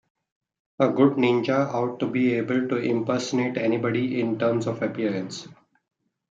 A good ninja ought to be able to impersonate anybody in terms of appearance.